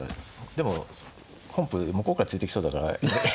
でも本譜向こうから突いてきそうだから。